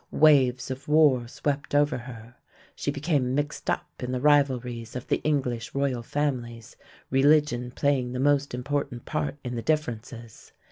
Waves of war swept over her. She became mixed up in the rivalries of the English royal families, religion playing the most important part in the differences.